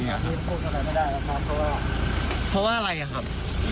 เพราะว่าอะไรอ่ะครับ